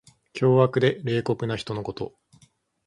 凶悪で冷酷な人のこと。